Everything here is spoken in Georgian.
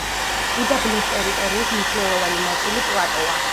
უდაბნოს ტერიტორიის მნიშვნელოვანი ნაწილი პლატოა.